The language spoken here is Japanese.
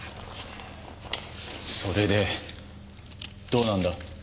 それでどうなんだ？